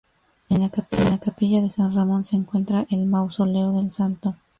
En la capilla de San Ramón se encuentra el mausoleo del santo.